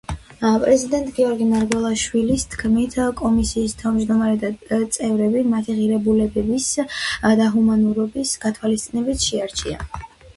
პრეზიდენტ გიორგი მარგველაშვილის თქმით, კომისიის თავმჯდომარე და წევრები მათი ღირებულებების და ჰუმანურობის გათვალისწინებით შეარჩია.